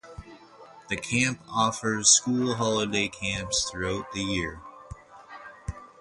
The camp offers school holiday camps throughout the year.